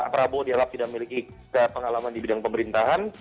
pak prabowo dianggap tidak memiliki pengalaman di bidang pemerintahan